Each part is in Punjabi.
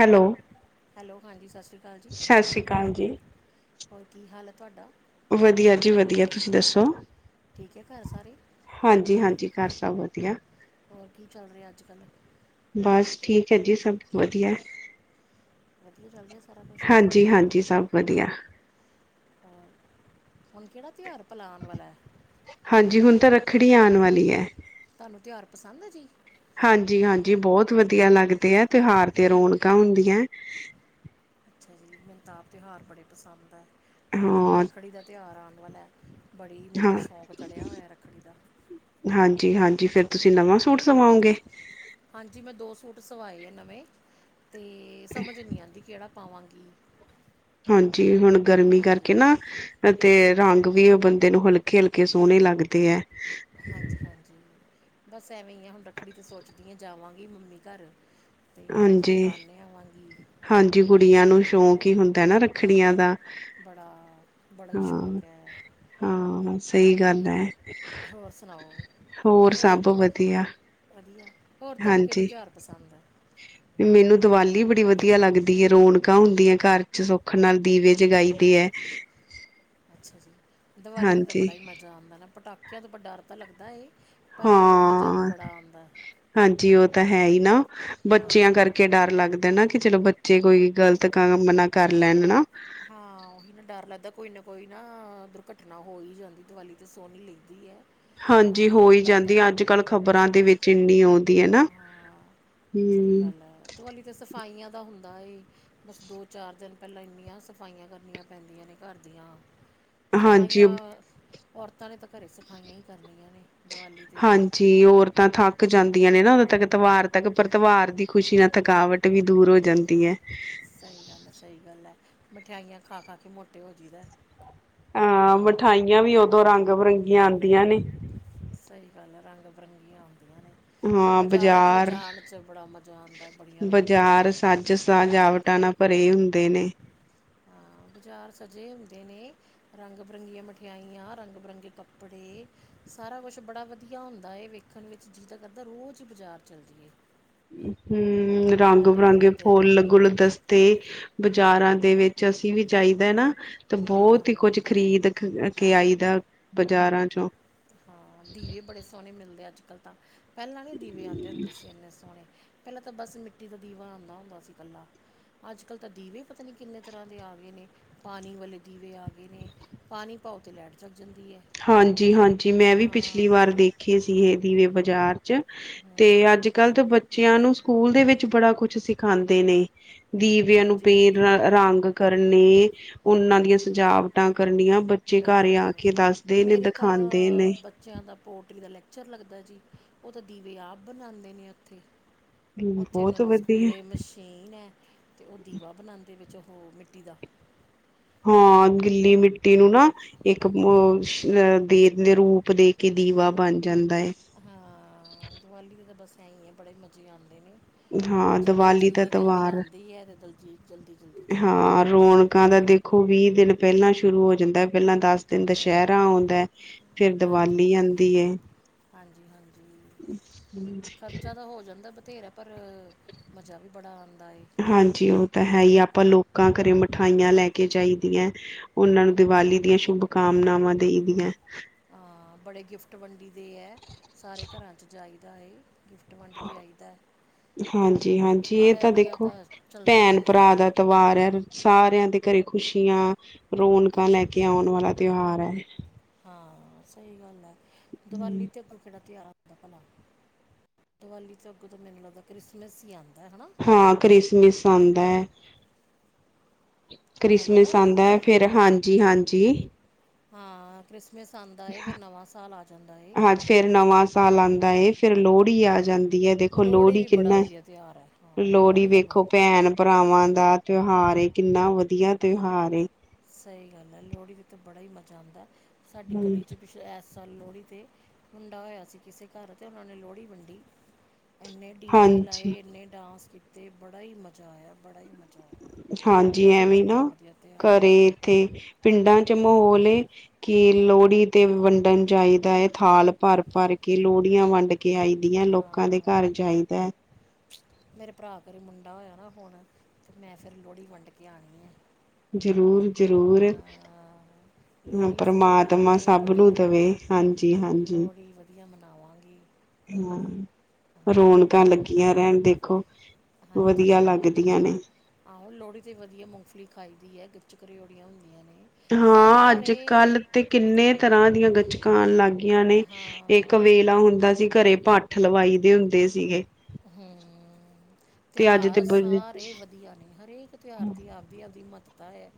ਹੈਲੋ ਹੈਲੋ ਹਾਂਜੀ ਸਤਿ ਸ਼੍ਰੀ ਅਕਾਲ ਜੀ। ਸਤਿ ਸ੍ਰੀ ਅਕਾਲ ਜੀ। ਹੋਰ ਕੀ ਹਾਲ ਹੈ ਤੁਹਾਡਾ? ਵਧੀਆ ਜੀ ਵਧੀਆ ਤੁਸੀਂ ਦੱਸੋ? ਠੀਕ ਹੈ ਘਰ ਸਾਰੇ? ਹਾਂਜੀ-ਹਾਂਜੀ, ਘਰ ਸਭ ਵਧੀਆ। ਹੋਰ ਕੀ ਚੱਲ ਰਿਹਾ ਅੱਜ ਕੱਲ? ਬਸ ਠੀਕ ਹੈ ਜੀ ਸਭ ਵਧੀਆ। ਵਧੀਆ ਚੱਲ ਰਿਹਾ ਸਾਰਾ ਕੁਛ ਹੋਰ ਹਾਂਜੀ ਹਾਂਜੀ ਸਭ ਵਧੀਆ। ਹਾਂ ਹੁਣ ਕਿਹੜਾ ਤਿਉਹਾਰ? ਭਲਾ ਆਉਣ ਵਾਲਾ ਹੈ ਹਾਂਜੀ ਹੁਣ ਤਾਂ ਰੱਖੜੀ ਆਉਣ ਵਾਲੀ। ਏ ਤੁਹਾਨੂੰ ਤਿਉਹਾਰ ਪਸੰਦ ਹੈ ਜੀ? ਜੀ ਬਹੁਤ ਵਧੀਆ ਲੱਗਦੇ ਆ ਤਿਉਹਾਰ ਤੇ ਰੌਣਕਾਂ ਹੁੰਦੀਆਂ ਹੈ। ਅੱਛਾ ਜੀ ਮੈਨੂੰ ਤਾਂ ਆਪ ਤਿਉਹਾਰ ਬੜੇ ਪਸੰਦ ਹੈ। ਹੁਣ ਜਿਵੇਂ ਹਾਂ, ਰੱਖੜੀ ਦਾ ਤਿਉਹਾਰ ਆ ਵਾਲਾ ਏ ਬੜੀ ਮੈਨੂੰ ਹਾਂ, ਤਾਂ ਸ਼ੌਂਕ ਚੜ੍ਹਿਆ ਹੋਇਆ ਰੱਖੜੀ ਦਾ। ਜੀ ਫਿਰ। ਤੁਸੀਂ ਨਵਾਂ ਸੂਟ ਸਵਾਓਗੇ? ਹਾਂਜੀ ਮੈਂ ਦੋ ਸੂਟ ਸਵਾਏ ਆ ਨਵੇਂ ਤੇ ਸਮਝ ਨਹੀਂ ਆਉਂਦੀ ਕਿਹੜਾ। ਪਾਵਾਂਗੀ। ਹਾਂਜੀ ਹੁਣ ਗਰਮੀ ਹਾਂਜੀ ਕਰਕੇ ਨਾ ਤੇ। ਰੰਗ ਵੀ ਉਹ ਬੰਦੇ ਨੂੰ ਹਲਕੇ ਹਲਕੇ ਸੋਹਣੇ ਲੱਗਦੇ ਹੈ। ਹਾਂਜੀ ਹਾਂਜੀ। ਬਸ ਐਵੇਂ ਹੀ ਆ ਹੁਣ ਰੱਖੜੀ ਤੇ ਸੋਚਦੀ ਆ ਜਾਵਾਂਗੀ ਮੰਮੀ ਘਰ ਅਤੇ ਰੱਖੜੀ ਹਾਂਜੀ ਬੰਨ ਆਵਾਂਗੀ ਹਾਂਜੀ ਕੁੜੀਆਂ ਨੂੰ ਸ਼ੌਕ ਹੁੰਦਾ ਨਾ ਰੱਖੜੀਆਂ ਦਾ। ਬੜਾ ਬੜਾ ਹੀ ਹਾਂ ਸ਼ੌਕ ਹੈ ਹਾਂ ਸਹੀ ਗੱਲ ਹੈ ਹੋਰ ਸੁਣਾਓ ਹੋਰ ਸਭ ਵਧੀਆ ਵਧੀਆ ਹੋਰ ਤੁਹਾਨੂੰ ਕਿਹੜੇ ਹਾਂਜੀ ਤਿਉਹਾਰ ਪਸੰਦ ਹੈ ਮੈਨੂੰ ਦੀਵਾਲੀ ਬੜੀ ਵਧੀਆ ਲੱਗਦੀ ਹੈ, ਰੌਣਕਾਂ ਹੁੰਦ ਦੀਆਂ ਘਰ ਚ ਸੁੱਖ ਨਾਲ ਦੀਵੇ ਜਗਾਈ ਦੇ ਹੈ। ਅੱਛਾ ਜੀ, ਦੀਵਾਲੀ ਦਾ ਤਾਂ ਹਾਂਜੀ ਬੜਾ ਹੀ ਮਜ਼ਾ ਆਦਾ ਨਾ ਪਟਾਕੇੇ, ਕਿਆ ਤੋਂ ਬਡਾ ਡਰ ਤਾਂ ਲੱਗਦਾ ਹੈ। ਹਾਂ ਹਾਂਜੀ ਉਹ ਤਾਂ ਹੈ ਹੀ ਨਾ ਬੱਚਿਆਂ ਹਾਂ ਕਰਕੇ ਡਰ ਲੱਗਦਾ ਨਾ ਕਿ ਚਲੋ। ਜੇ ਕੋਈ ਗ਼ਲਤ ਕੰਮ ਨਾ ਕਰ ਲੈਣ ਨਾ, ਹਾਂ ਉਹੀ ਨਾ ਡਰ ਲੱਗਦਾ ਕੋਈ ਨਾ ਕੋਈ ਨਾ ਦੁਰਘਟਨਾ ਹੋ ਹੀ ਜਾਂਦੀ ਦੀਵਾਲੀ ਤੇ ਸੋਹਣੀ ਲੈਂਦੀ ਹੈ। ਹਾਂਜੀ ਤਾਂ ਹੋ ਡਰ ਹੀ ਜਾਂਦੀ ਲੱਗਦਾ ਅੱਜ ਕੱਲ੍ਹ ਖ਼ਬਰਾਂ ਦੇ ਵਿੱਚ ਇੰਨੀ ਆਉਂਦੀ ਹੈ ਨਾ ਹਾਂ ਸਹੀ ਹਮ। ਗੱਲ ਹੈ ਦੀਵਾਲੀ ਤੇ ਸਫਾਈਆਂ ਦਾ ਹੁੰਦਾ ਬਸ ਦੋ ਚਾਰ ਦਿਨ ਪਹਿਲਾਂ ਇੰਨੀਆਂ। ਸਫਾਈਆਂ ਕਰਨੀਆਂ ਪੈਂਦੀਆਂ ਨੇ ਘਰ ਦੀਆਂ, ਹਾਂਜੀ ਸਫ਼ਾਈਆਂ। ਔਰਤਾਂ ਨੇ ਤਾਂ ਘਰੇ ਸਫਾਈਆਂ ਕਰਨੀਆਂ। ਨੇ ਦੀਵਾਲੀ 'ਤੇ ਹਾਂਜੀ ਔਰ ਤਾਂ ਥੱਕ ਜਾਂਦਾ। ਆਂ ਨੇ ਨਾ ਉਦੋਂ ਤੱਕ ਤਿਵਾਰ ਤੱਕ ਪਰ ਤਿਵਾਰ ਦੀ ਖੁਸ਼ੀ ਨਾਲ ਥਕਾਵਟ ਵੀ ਦੂਰ ਹੋ ਜਾਂਦੀ ਹੈ। ਸਹੀ ਗੱਲ ਹੈ ਸਹੀ ਗੱਲ ਹੈ ਮਠਿਆਈਆਂ ਖਾ ਖਾ ਕੇ ਮੋਟੇ ਹੋ ਜਾਈਦਾ। ਹਾਂ ਮਠਾਈਆਂ ਵੀ ਉਦੋਂ ਰੰਗ ਬਿਰੰਗੀਆਂ ਆਉਂਦੀਆਂ ਨੇ। ਸਹੀ ਗੱਲ ਆ, ਰੰਗ ਬਿਰੰਗੀਆਂ ਆ। ਹਾਂ 'ਚ ਬੜਾ ਮਜ਼ਾ ਆਉਂਦਾ ਬੜੀਆਂ ਰੌਣਕਾਂ ਬਾਜ਼ਾਰ-ਬਾਜ਼ਾਰ ਹੁੰਦੀਆਂ ਸੱਜ ਸਜਾਵਟਾਂ ਨਾਲ ਭਰੇ ਹੁੰ ਹਾਂ ਬਾਜ਼ਾਰ ਸਜੇ ਹੁੰਦੇ ਨੇ, ਰੰਗ ਬਿਰੰਗੀਆਂ ਮਠਿਆਈਆਂ ਰੰਗ ਬਿਰੰਗੇ ਕੱਪੜੇ ਸਾਰਾ ਕੁਛ ਬੜਾ ਵਧੀਆ ਹੁੰਦਾ ਹੈ, ਵੇਖਣ ਵਿੱਚ ਜਿਹਦਾ ਕਰਦਾ ਰੋਜ਼ ਹੀ ਬਾਜ਼ਾਰ ਚੱਲਦੀ ਏ। ਹੂੰ ਰੰਗ ਬਿਰੰਗੇ, ਵਾਲੇ ਦਿਨ ਫੁੱਲ ਹਮ, ਗੁਲ ਦਸਤੇ ਬਾਜ਼ਾਰਾਂ ਦੇ ਵਿੱਚ ਅਸੀਂ ਵੀ ਚਾਹੀਦਾ ਨਾ, ਤੇ ਬਹੁਤ ਹਾਂ ਹੀ ਕੁੱਝ ਖ਼ਰੀਦ। ਕੇ ਆਈ ਦਾ ਬਾਜ਼ਾਰਾਂ ਚੋਂ, ਹਾਂ ਦੀਵੇ ਬੜੇ ਸੋਹਣੇ ਮਿਲਦੇ ਆ ਅੱਜ-ਕੱਲ੍ਹ, ਤਾਂ, ਪਹਿਾਂ ਵਾਲੇ ਦੀਵੇ ਆਉਂ ਹੁੰਦੇ ਸੀ, ਸੀ ਇੰਨੇ ਸੋਹਣੇ ਪਹਿਲਾਂ ਤਾਂ ਬਸ ਮਿੱਟੀ ਦਾ ਦੀਵਾ ਆਦਾ ਹੁੰਦਾ ਸੀ, ਇਕੱਲਾ ਅੱਜ-ਕੱਲ੍ਹ ਤਾਂ ਦੀਵੇ ਪਤਾ ਨਹੀਂ ਕਿੰਨੇ ਤਰ੍ਹਾਂ ਦੇ ਆ ਗਏ, ਨੇ ਪਾਣੀ ਵਾਲੇ ਦੀਵੇ ਆ ਗਏ ਨੇ ਪਾਣੀ ਭਓ ਤੇ ਲੈਟ ਜਾ। ਹਾਂਜੀ ਹਾਂਜੀ। ਮੈਂ ਵੀ ਪਿਛਲੀ ਹਾਂ ਵਾਰ ਦੇਖੇ ਸੀ ਇਹ, ਦੀਵੇ ਬਾਜ਼ਾਰ, [unintelligible] ਹੂੰ ਤੇ ਅੱਜ ਕੱਲ ਤਾਂ ਬ ਬੱਚਿਆਂ ਨੂੰ ਸਕੂਲ ਦੇ ਵਿੱਚ ਬੜਾ ਕੁਛ ਸਿਖਾਂਦੇ ਨੇ। ਦੀਵਿਆਂ ਨੂੰ ਹਾਂਜੀ ਪੇ ਹਾਂਜੀ ਰੰਗ ਕਰਨੇ, ਉਹਨਾਂ ਦੀਆਂ ਸਜਾਵਟਾਂ ਕਰਨੀਆਂ। ਬੱਚੇ ਘਰ ਹੀ ਆ ਬਿਲਕੁਲ ਕੇ ਦੱਸ ਮੇਰੇ ਤਾਂ ਬੱਚਿਆਂ ਦਾ ਪੋਟਰੀ ਦਾ ਲੈ ਚਰ ਲੱਗਦਾ ਜੀ ਉਹ ਤਾਂ ਦੀਵੇ ਆਪ ਬਣਾਉਂਦੇ ਨੇ ਉੱਥੇ ਉੱਥੇ ਉਹਨਾਂ ਬਹੁਤ ਦੇ ਵਧੀਆ ਸਕੂਲੇ ਮਸ਼ੀਨ ਹੈ ਤੇ ਉਹ ਦੀਵਾ ਬਣਾਉਦੇ ਵਿੱਚ ਹੋ ਮਿੱਟੀ ਦਾ ਹਾਂ ਗਿੱਲੀ ਮਿੱਟੀ ਨੂੰ ਨਾ ਇੱਕ ਅ ਦੇ ਦੇ ਰੂਪ ਦੇ ਕੇ ਦੀਵਾ ਬਣ ਜਾਂਦਾ ਹੈ ਹਾਂ ਦੀਵਾਲੀ ਦੇ ਤਾਂ ਬਸ ਐ ਹੀ ਆ ਬੜੇ ਮਜ਼ੇ ਆਉਂਦੇ ਨੇ ਹਾਂ ਜਿਵੇਂ ਦੀਵਾਲੀ ਦਾ ਜਲਦੀ ਜਲਦੀ ਤਿਉਹਾਰ ਆਉਂਦੀ ਹੈ ਅਤੇ ਦਲਜੀ ਜਲਦੀ ਜਲਦੀ ਚਲੀ ਹਾਂ ਜਾਂਦੀ ਹੈ ਦੀਵਾਲੀ ਰੌਣਕਾਂ ਦਾ ਦੇਖੋ ਵੀਹ ਦਿਨ ਪਹਿਲਾਂ ਸ਼ੁਰੂ ਹੋ ਜਾਂਦਾ ਪਹਿਲਾਂ ਦਸ ਦਿਨ ਹਾਂ ਦੁਸਹਿਰਾ ਆਉਂਦਾ ਫਿਰ ਹਾਂਜੀ ਦੀਵਾਲੀ ਆਉਂਦੀ ਹਾਂਜੀ ਹਾਂਜੀ ਹ ਬਥੇਰੇ ਪਰ ਮਜ਼ਾ ਵੀ ਬੜਾ ਆਂ ਹਾਂਜੀ ਉਹ ਤਾਂ ਹੈ ਹੀ ਆਪਾਂ ਲੋਕ ਲੋਕਾਂ ਘਰੇ ਮਿਠਾਈਆਂ ਲੈ ਕੇ ਜਾਇਦੀਆਂ ਉਹਨਾਂ ਨੂੰ ਹਾਂ ਦੀਵਾਲੀ ਦੀਆਂ ਸ਼ੁਭ ਕਾਮਨਾਵਾਂ ਦੇਈ ਦੀਆਂ ਹਾਂ ਬੜੇ ਗਿਫਟ ਵੰਡੀ ਦੇ ਹੈ ਸਾਰੇ ਘਰਾਂ ਚ ਜਾਈ ਦਾ ਏ ਗਿਫਟ ਵੰਡ ਕੇ ਆਈਦਾ ਹਾਂਜੀ ਹਾਂਜੀ ਇਹ ਆਇਆ ਤਾਂ ਗਿਆ ਦੇਖੋ ਚੱਲਦਾ ਹੀ ਭੈਣ ਰਹਿੰਦਾ ਹੈ ਭਰਾ ਦਾ ਤਿਉਵਾਰ ਹੈ ਸਾਰਿਆਂ ਦੇ ਘਰੇ ਖ਼ੁਸ਼ੀਆਂ ਰੌਣਕਾਂ ਲੈ ਕੇ ਆਉਣ ਵਾਲਾ ਤਿਉਹਾਰ ਹੈ ਹਾਂ ਸਹੀ ਗੱਲ ਹੈ ਦੀਵਾਲੀ ਤੇ ਅੱਗੋਂ ਕਿਹੜਾ ਤਿਉਹਾਰ ਭਲਾ ਦੀਵਾਲੀ ਦੇ ਅੱਗੋਂ ਤੋਂ ਮੈਨੂੰ ਲੱਗਦਾ ਕ੍ਰਿਸਮਸ ਹੀ ਆ ਹਾਂ ਕ੍ਰਿਸਮਿਸ ਆਉਂਦਾ ਕ੍ਰਿਸਮਿਸ ਹੈਲੋ ਆਉਂਦਾ ਹੈ ਫੇਿਰ ਹਾਂਜੀ ਹਾਂਜੀ ਜੀ ਹਾਂ ਕ੍ਰਿਸ ਮਸ ਆਉਂਦਾ ਏ ਫੇਰ ਨਵਾਂ ਸਾਲ ਆ ਜਾਂਦਾ ਨਵਾਂ ਸਾਲ ਆਉਂਦਾ ਤੇ ਫੇਰ ਲੋਹੜੀ ਆ ਜਾਂਦੀ ਦੇਖੋ ਲੋਹੜੀ ਵੀ ਬੜਾ ਕਿੰਨਾ ਵਧੀਆ ਤਿਉਹਾਰ ਹੈ ਹਾਂ ਲੋਹੜੀ ਦਾ ਵੇਖੋ ਬ- ਭੈਣ ਭਰਾਵਾਂ ਦਾ ਤਿਉਹਾਰ ਏ ਕਿੰਨਾ ਵਧੀਆ ਤਿਉਹਾਰ ਏ ਸਹੀ ਗੱਲ ਹੈ ਲੋਹੜੀ ਵਿੱਚ ਤਾਂ ਬੜਾ ਹੀ ਮਜ਼ਾ ਆਉਂਦਾ ਸਾਡੀ ਹੂੰ, ਗਲੀ ਚ ਕੁਛ ਐ ਸਾਲ ਲੋਹੜੀ ਤੇ ਮੁੰਡਾ ਹੋਇਆ ਸੀ ਕਿਸੇ ਘਰ ਅਤੇ ਉਹਨਾਂ ਨੇ ਲੋਹੜੀ ਵੰਡੀ। ਇਨੇ ਡੀਜੇ ਹਾਂਜੀ, ਲਾਏ ਇਨੇ ਡਾਂਸ ਅਤੇ ਬੜਾ ਹੀ ਮਜ਼ਾ ਆਇਆ ਬੜਾ ਹੀ ਮਜ਼ਾ। ਆਇਆ ਹਾਂਜੀ ਲੋਹੜੀ ਦਾ ਐਵੇਂ ਨਾ ਬੜਾ ਵਧੀਆ ਤਿਉਹਾਰ ਹੈ ਘਰੇ। ਤੇ ਪਿੰਡਾਂ ਚ ਮਾਹੌਲ ਕਿ ਲੋਹੜੀ ਤੇ ਵੰਡਣ ਜਾਈਦਾ ਹੈ ਥਾਲ ਭਰ ਭਰ ਕੇ ਲੋਹੜੀਆਂ ਵੰਡ ਕੇ ਆਈ ਦੀਆਂ ਲੋਕਾਂ ਦੇ ਹਾਂ ਘਰ ਜਾਈਦਾ ਹੈ। ਮੇਰੇ ਭਰਾ ਘਰੇ ਮੁੰਡਾ ਹੋਇਆ ਨਾ ਹੁਣ ਤੇ ਮੈਂ ਫੇਰ ਲੋਹੜੀ ਵੰਡ ਕੇ ਆਉਣੀ ਹੈ। ਜ਼ਰੂਰ। ਜ਼ਰੂਰ ਹਾਂ ਹ ਲੋਹੜੀ ਅਸੀਂ ਪਰਮਾਤਮਾ ਮਨਾਵਾਂਗੇ ਸਭ ਨੂੰ ਬੜੇ ਦੇਵੇ ਹਾਂਜੀ ਹਾਂਜੀ ਲੋਹੜੀ ਵਧੀਆ ਮਨਾਵਾਂਗੇ ਹਾਂ ਹਾਂ ਰੌਣਕਾਂ ਲੱਗੀਆਂ ਰਹਿਣ ਦੇਖੋ। ਵਧੀਆ ਲੱਗਦੀਆਂ ਨੇ। ਥੋੜੀ ਤੇ ਵਧੀਆ ਮੂੰਗਫਲੀ ਖਾਈ ਦੀ ਹੈ ਗਚੱਕ ਰਓੜੀਆਂ ਹੁੰਦੀਆਂ ਨੇ ਹਾਂ ਅੱਜ ਸਾਰੇ ਕੱਲ੍ਹ ਤੇ ਕਿੰਨੇ ਤਰ੍ਹਾਂ ਦੀਆਂ ਗੱਚ ਕਾਂ ਆਂ ਲੱਗ ਨੇ ਇਹ ਹਾਂ ਵੇਲਾ ਹੁੰਦਾ ਸੀ ਘਰੇ ਭੱਠ ਲਵਾਈ ਹੁੰਦੇ ਸੀ ਗੇ। ਹਮ ਅੱਜ ਤੇ ਤਿਉਹਾਰ ਬ ਸਾਰੇ ਵਧੀਆ ਨੇ ਹਰੇਕ ਤਿਉਹਾਰ ਦੀ ਆਪਦੀ ਆਪਦੀ ਮਤ ਪਤਾ ਹੈ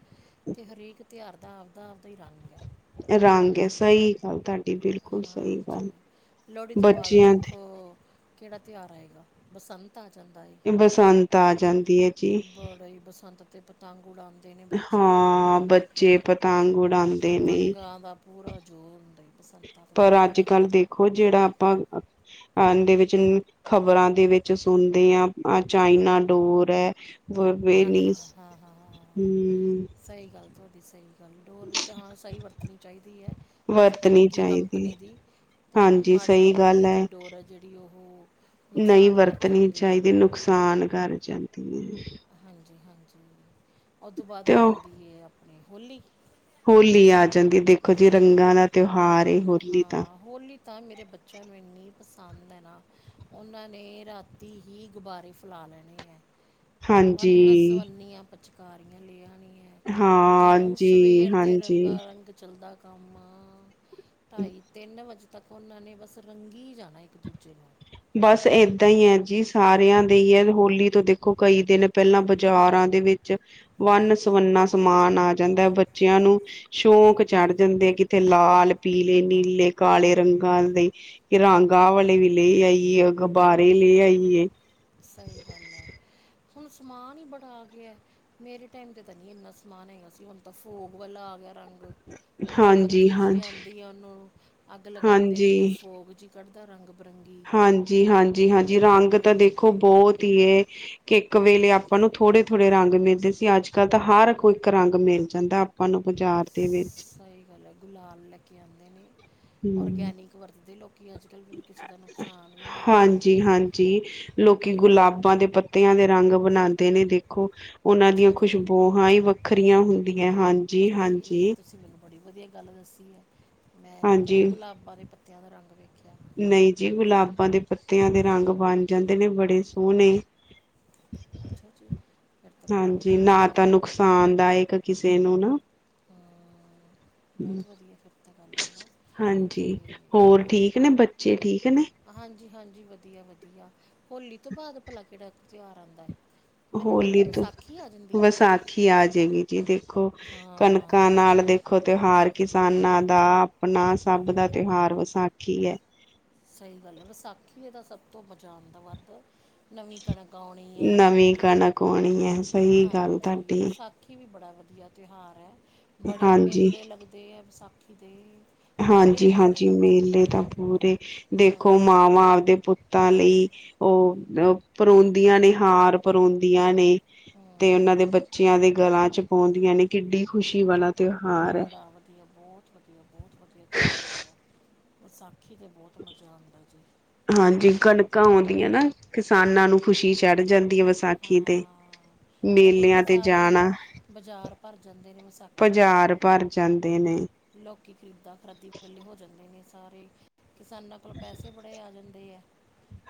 ਤੇ ਹਰੇਕ ਤਿਉਹਾਰ ਦਾ ਆਪਦਾ ਆਪਦਾ ਹੀ ਰੰਗ ਹੈ ਰੰਗ ਸਹੀ ਗੱਲ ਤੁਹਾਡੀ ਬਿਲਕੁਲ ਸਹੀ ਹਾਂਜੀ ਗੱਲ ਲੋਹੜੀ ਤੋਂ ਬਾਅਦ ਬੱਚਿਆਂ ਦੀ ਦੇਖੋ ਕਿਹੜਾ ਤਿਉਹਾਰ ਆਏਗਾ ਬਸੰਤ ਆ ਜਾਂਦਾ ਏ ਬਸੰਤ ਆ ਜਾਂਦੀ ਹੈ। ਜੀ ਬੜਾ ਹੀ ਬੱਸ। ਬਸੰਤ ਤੇ ਪਤੰਗ ਉਡਾਉਣ। ਨੇ ਬੱਚੇ ਹਾਂ ਬੱਚੇ ਪਤੰਗ ਉਡਾਉਂਦੇ ਨੇ ਪਤੰਗਾਂ ਦਾ ਪੂਰਾ ਜ਼ੋਰ ਹੁੰਦਾ। ਬਸੰਤਾਂ 'ਤੇ ਤਾਂ ਪਰ ਬਾਹਲਾ ਅੱਜ ਹੀ ਕੱਲ੍ਹ ਦੇਖੋ ਜਿਹੜਾ ਆਪਾਂ। ਅਦੇ ਵਿੱਚ ਖ਼ਬਰਾਂ ਦੇ ਵਿੱਚ ਸੁਣਦੇ ਹ ਅ ਚਾਈਨਾ ਡੋਰ ਹੈ ਵਰ ਹਾਂ ਵਨੀ ਹਾਂ ਹਾਂ ਹਾਂ ਹਾਂ ਹਮ ਸਹੀ ਗੱਲ ਤੁਹਾਡੀ ਸਹੀ ਡੋਰ ਵੀ ਤਾਂ ਹਾਂ ਸਹੀ ਵਰਤਣੀ ਚਾਹੀਦੀ ਹੈ ਕਿਸੇ ਵਰਤਣੀ ਚੰਗੀ ਚਾਹੀਦੀ ਕੰਪਨੀ ਦੀ ਅਤੇ ਹਾਂਜੀ ਮਾੜੀ ਸਹੀ ਗੱਲ ਕੰਪਨੀ ਦੀ ਡੋਰ ਹੈ ਜਿਹੜੀ ਉਹ ਨਹੀਂ ਨੁਕਸਾਨ ਕਰ ਵਰਤਣੀ ਜਾਂਦੀ ਚਾਹੀਦੀ ਹੈ। ਨੁਕਸਾਨ ਹਾਂ ਕਰ ਜਾਂਦੀ ਹੈ। ਹਾਂਜੀ ਹਾਂਜੀ। ਉਹ ਤੋਂ ਬਾਅਦ ਤੇ ਆ ਉਹ ਜਾਂਦੀ ਹੈ। ਹੋਲੀ। ਹੋਲੀ ਆ ਜਾਂਦੀ ਹੈ ਦੇਖੋ ਜੀ ਰੰਗਾਂ ਦਾ ਤਿਉਹਾਰ ਏ ਹੋਲੀ ਤਾਂ ਹਾਂ ਹੋਲੀ ਤਾਂ ਮੇਰੇ ਬੱਚੇਆਂ ਨੂੰ ਐਨੀਂ ਦ ਨਾ ਓਨਾਂ ਨੇ ਰਾਤੀ ਹੀ ਗੁਬਾਰੇ ਫਲਾ ਲੈਣੇ ਆ। ਹਾਂਜੀ। ਪਚਕਾਰੀਆਂ ਲਿਆਣੀਆ ਜੋ ਹਾਂਜੀ ਸਵੇਰ ਦੇ ਹਾਂਜੀ ਰੰਗਾ ਰੰਗ ਚੱਲਦਾ ਕੰਮ ਆ ਢਾਈ ਤਿੰਨ ਵਜੇ ਤੱਕ ਓਨਾਂ ਨੇ ਬਸ ਰੰਗੀ ਜਾਣੈ ਇੱਕ ਦੂਜੇ ਨੂੰ ਬਸ ਏਦਾਂ ਈ ਐ ਜੀ, ਸਾਰੇਆਂ ਦੇ ਹੀ ਹੋਲੀ ਤੋਂ ਦੇਖੋ ਕਈ ਦਿਨ ਪੈਲਾਂ ਬਜਾਰਾਂ ਦੇ ਵਿੱਚ ਵੰਨ- ਸਵੰਨਾ ਸਮਾਨ ਆ ਜਾਂਦੈ। ਬੱਚਿਆਂ ਨੂੰ ਸੋ਼ਕ ਚੜ ਜਾਂਦੇ ਕਿਤੇ ਲਾਲ, ਪੀਲੇ, ਨੀਲੇ, ਕਾਲੇ਼ ਰੰਗਾਂ ਦੇ ਰਾਂਗ ਆ ਵਾਲੇ ਵੀ ਲੇ ਆਈਏ ਗਬਾਰੇ ਲੇ ਆਈਏ ਸਈ ਗੱਲ ਆ। ਹੁਣ ਸਮਾਨ ਈ ਬੜਾ ਆ ਗੇਆ ਏ, ਮੇਰੇ ਟਾਈਮ ਤੇ ਤਾਂ ਨਈ ਏਨਾਂ ਸਮਾਨ ਹੈਗਾ ਸੀ। ਹੋਨ ਤਾਂ ਫੋਗ ਵਾਲਾ ਆ ਗੇਆ ਰੰਗ ਓ ਹਾਂਜੀ ਮੋਮਬੱਤੀ ਜੀ ਹਾਂਜੀ ਆਂਦੀ ਆ, ਓਨੂੰ ਅੱਗ ਲਗਾਂਦੇ ਹਾਂਜੀ ਨੇ ਤੇ ਓ ਫੋਗ ਜੀ ਕੜ ਦਾ ਰੰਗ ਬਰੰਗੀ ਹਾਂਜੀ, ਹਾਂਜੀ, ਹਾਂਜੀ ਰੰਗ ਉਹ ਤਾਂ ਦੇਖੋ ਬੋਤ ਕਿ ਏ ਇੱਕ ਵੇਲੇ ਆਪਾਂ ਨੂੰ ਥੋੜੇ, ਥੋੜੇ ਰੰਗ ਮਿਲਦੇ ਸੀ। ਅੱਜ-ਕੱਲ ਤਾਂ ਹਾਰ ਕੋਈ ਇੱਕ ਰੰਗ ਮਿਲ ਜਾਂਦਾ ਆਪਾਂ ਨੂੰ ਬਜਾਰ ਸੲਈ ਗੱਲ ਐ। ਗੁਲਾਲ ਲੈ ਕੇ ਆਂਦੇ ਨੇ ਹੂੰ ਓਰਗੈਨਿਕ ਵਰਤਦੇ ਲੋਕੀ ਅੱਜ-ਕੱਲ, ਵੀ ਕਿਸੇ ਦਾ ਨੁਕਸਾਨ ਵੀ ਨਾ ਹੋਵੇ ਹਾਂਜੀ ਹਾਂਜੀ ਲੋਕੀ ਗੁਲਾਬਾਂ ਦੇ ਪੱਤਿਆਂ ਦੇ ਰੰਗ ਬਣਾਂਦੇ ਨੇ ਦੇਖ ਓ ਓਨਾਂ ਦੀਆਂ ਅੱਛਾ ਜੀ ਖੁਸ਼ਬੋਹਾ ਈ ਵੱਖਰੀਆਂ ਹੁੰਦੀਆਂ ਹਾਂਜੀ, ਅੱਛਾ ਜੀ ਇਹ ਤਾਂ ਹਾਂਜੀ। ਤੁਸੀਂ ਮੈਨੂੰ ਬੜੀ ਵਦੀਆ ਗੱਲ ਦੱਸੀ ਏ। ਮੈਂ ਨੀ ਕਦੇ ਗੁਲਾਬਾਂ ਦੇ ਪ ਤੇਆਂ ਦਾ ਰੰਗ ਵੇਖੇਆ। ਨਈ ਜੀ, ਗੁਲਾਬਾਂ ਦੇ ਪੱਤੇਆਂ ਦੇ ਰੰਗ ਬਨ ਜਾਂਦੇ ਨੇ ਬੜੇ ਸੋਨੇ ਅੱਛਾ ਜੀ। ਫਿਰ ਤਾਂ ਬੜਾ ਹਾਂਜੀ, ਵਧੀਆ ਨਾ ਗੱਲ ਤਾਂ ਹੈ ਨੁਕਸਾਨ ਦਾਏਕ ਕਿਸੇ ਨੂੰ ਨਾ, ਹਾਂ ਬਹੁਤ ਵਧੀਆ ਫਿਰ ਤਾਂ ਗੱਲ ਹੈ ਨਾ ਤੇ ਹਾਂਜੀ ਹੋਰ ਠੀਕ ਨੇ ਬੱਚੇ ਠੀਕ ਨੇ? ਹਾਂਜੀ, ਹਾਂਜੀ ਵਦੀਆ, ਵਦੀਆ ਹੋਲੀ ਤੋਂ ਬਾਦ ਭਲਾ ਕੇੜਾ ਤੇਹੋਰ ਆਂਦਾ ਏ? ਹੋਲੀ ਤੋਂ ਏ ਵਸਾਖੀ ਆ ਜਾਏਗੀ ਜੀ ਦੇਖ ਦੇਖੋ ਕਨਕਾਂ ਹਾਂ ਨਾਲ ਦੇਖੋ ਤੇਓਹਾਰ ਕਿਸਾਨਾਂ ਦਾ ਆਪਨਾ ਸਭ ਦਾ ਤੇਓਹਾਰ ਵਸਾਖੀ ਏ। ਸਹੀ ਗੱਲ ਆ, ਵਸਾਖੀ ਏਦਾ ਸਭ ਤੋਂ ਮਜ਼ਾ ਆਂਦਾ ਵੱਦ ਨਵੀਂ ਕਣਕ ਆਉਣੀ ਹੈ ਨਵੀਂ ਕਨਕ ਓਣੀ ਏ ਸਹੀ ਗੱਲ ਤੋਡੀ। ਵਦੀਆ ਤੇਓਹਾਰ ਐ। ਬੜੇ ਮੇਲੇ ਲੱਗਦੇ ਏ ਵਸਾਖੀ [unintelligible] ਹਾਂਜੀ, ਹਾਂਜੀ ਮੇਲੇ ਤਾਂ ਪੂਰੇ। ਦੇਖੋ ਬੜੇ ਮੇਲੇ ਮਾਵਾਂ ਆਪਦੇ ਪੁੱਤਾਂ ਲਈ ਓ ਓ ਓ ਪਰੋਂਦੀਆਂ ਨੇ ਹਾਰ ਪਰੋਂਦੀਆਂ ਨੇ ਤੇ ਓਨਾਂ ਦੇ ਹਮ ਬੱਚੇਆਂ ਦੇ ਗਲਾਂ ਚ ਪਾਓਦੀਆਂ ਨੇ ਕਿੱਡੀ ਖੁਸ਼ੀ ਵਾਲਾ ਤਿਉਹਾਰ ਹੈ ਬੜਾ ਵਦੀਆ ਬੋਤ ਵਦੀਆ ਬੋਤ ਵਦੀਆ ਤੇਓਹਾਰ ਹੁੰਦਾ ਵਸਾ ਹਾਂਜੀ, ਕਨਕਾਂ ਆਂਓਦੀਆਂ ਨਾ ਕਿਸਾਨਾਂ ਨੂੰ ਖੁਸ਼ੀ ਚੜ ਜਾਂਦੀ ਐ ਵਸਾਖੀ ਤੇ ਓਦੋਂ ਈ ਮੇਲਿਆਂ ਤਾਂ ਤੇ ਜਾਣਾ ਸਾਰੇ ਬਜਾਰ ਭਰ ਜਾਂਦੇ ਨੇ ਵਸਾਖੀ ਤੇ, ਬਾਜ਼ਾਰ ਭਰ ਜਾਂਦੇ ਨੇ ਲੋਕੀ ਖਰੀਦਾ- ਖਰਾਦੀ ਵੱਲੇ ਹੋ ਜਾਂਦੇ ਨੇ। ਤਾਰੀਖ ਆ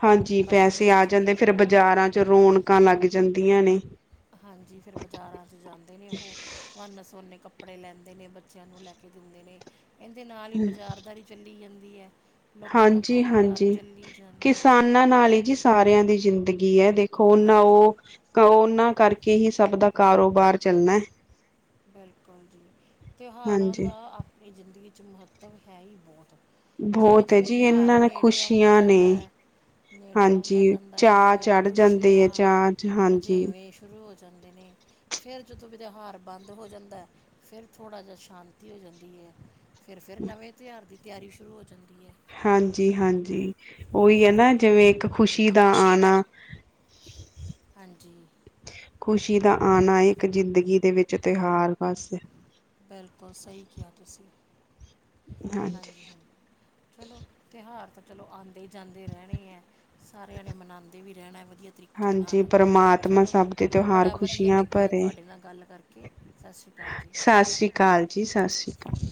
ਹਾਂਜੀ, ਕਣਕ ਪੈਸੇ ਆ ਵੇਚ ਜਾਂਦੇ ਕੇ ਫੇਰ ਹਨਾ ਬਜਾਰਾਂ ਚ ਰੋਨਕਾਂ ਲੱਗ ਜਾਂਦੀ ਆਂ ਨੇ। ਹਾਂਜੀ, ਫੇਰ ਬਜਾਰਾਂ ਚ ਜਾਂਦੇ ਨੇ ਓਹ ਵੰਨ- ਸਵੰਨੇ ਕੱਪੜੇ ਲੈਂਦੇ ਨੇ ਬੱਚਿਆਂ ਨੂੰ ਲੈ ਕੇ ਦਿੰਦੇ ਨੇ ਏਂਦੇ ਨਾਲ ਈ ਬਜਾਰਦਾਰੀ ਚੱਲੀ ਜਾਂਦੀ [inaudible] ਲੋਕਾਂ ਦਾ ਹਾਂਜੀ, ਕੰਮਕਾਰ ਹਾਂਜੀ ਚੱਲੀ ਜਾਂਦਾ ਕਿਸਾਨਾਂ ਨਾਲ ਈ ਜੀ ਸਾਰੇਆਂ ਦੀ ਜ਼ਿੰਦ ਗੀ ਐ ਦੇਖ ਕਰੋਨਾ ਹਾਂਜੀ ਓਹ ਕਰੋਨਾ ਕਰਕੇ ਹੀ ਸਭ ਦਾ ਕਾਰੋਬਾਰ ਚੱਲਨੈ। ਬੇਲਕੋਲ ਜੀ, ਤੇਓਹਾਰਾਂ ਹਾਂਜੀ ਦਾ ਆਪਨੀ ਜਿਂਦਗੀ ਚ ਮਹੱ ਮਤਲਬ ਹੈ ਈ ਬੋਤ। ਜਿਵੇਂ- ਬਹੁਤ ਹੈ ਜਿਵੇਂ ਜੀ ਤੇ਼ਹਾਰ ਇਹਨਾਂ ਨੇ ਨੇੜੇ ਆਉਂਦਾ ਖ਼ੁਸ਼ੀਆਂ ਨੇ ਜਾਂਦੈ ਐ, ਨੇੜੇ ਆਉਂਦਾ ਹਾਂਜੀ ਜਾਂਦੈ ਚਾਅ ਓਵੇਂ, ਓਵੇਂ ਚੜ੍ਹ ਜਾਂਦੇ ਆ ਚਾਅ ਚ ਖੁਸ਼ੀਆਂ ਹਾਂਜੀ ਰਜੇਵੇਂ ਸ਼ੁਰੂ ਜਾਂਦੇ ਨੇ ਫੇਰ ਜਦੋਂ ਤੇਹਾਰ ਬੰਦ ਹੋ ਜਾਂਦੈ ਫੇਰ ਥੋੜਾ ਜਾ ਸ਼ਾਂਤੀ ਹੋ ਜਾਂਦੀ ਏ। ਫੇਰ, ਫੇਰ ਨਵੇਂ ਤੇਹਾਰ ਦੀ ਤਿਆਰੀ ਸ਼ੁਰੂ ਹੋ ਜਾਂਦੀ ਐ। ਹਾਂਜੀ, ਹਾਂਜੀ ਓਈ ਐ ਨਾ, ਜਿਵੇਂ ਏਕ ਖੁਸ਼ੀ ਦਾ ਆਨਾ [inaudible] ਹਾਂਜੀ। ਆਨਾ ਇੱਕ ਜ਼ਿੰਦਗੀ ਦੇ ਵਿੱਚ ਤੇਹਾਰ ਬਸ ਬਿਲਕੁਲ ਸਹੀ ਕਿਹਾ, ਤੁਸੀਂ। ਹਾਂਜੀ- ਹਾਂਜੀ ਚਲੋ, ਤਿਉਹਾਰ ਤਾ ਚਲੋ, ਆਂਦੇ- ਜਾਂਦੇ ਰਹਿਣੇ ਹੈ, ਸਾਰਿਆਂ ਨੇ ਮਨਾਂਦੇ ਵੀ ਰਹਿਣਾ। ਵਧੀਆ ਤਰੀਕੇ ਹਾਂਜੀ। ਨਾਲ ਪਰਮਾਤਮਾ ਚਲੋ ਸਭ ਦੇ ਤਿਉਹਾਰ ਬੜਾ ਵਧੀਆ ਖ਼ੁਸ਼ੀਆਂ ਲੱਗਿਆ ਭਰੇ, ਤੁਹਾਡੇ ਨਾਲ ਗੱਲ ਕਰਕੇ ਸਤਿ ਸ਼੍ਰੀ ਅਕਾਲ ਜੀ ਸਤਿ ਸ੍ਰੀ ਅਕਾਲ ਜੀ। ਸਤਿ ਸ੍ਰੀ ਅਕਾਲ।